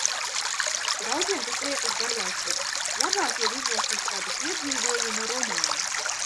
Daudziem tas liekas garlaicīgi, labāk jau izlasīt kādu piedzīvojumu romānu.